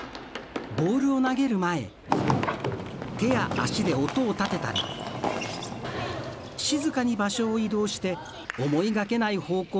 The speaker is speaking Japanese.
ボールを投げる前手や足で音を立てたり静かに場所を移動して思いがけない方向から投げたり。